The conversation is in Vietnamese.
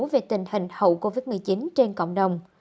về tình hình hậu covid một mươi chín trên cộng đồng